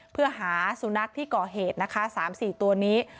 เพื่อหาสุนัขที่ก่อเหตุนะคะ๓๔ตัวนี้